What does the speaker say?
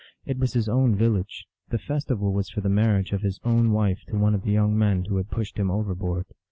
It was his own village. The festival was for the marriage of his own wife to one of the young men who had pushed him overboard.